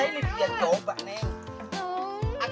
iya ini dia coba neng